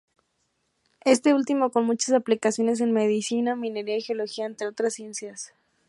Este último con muchas aplicaciones en la medicina, minería y geología entre otras ciencias.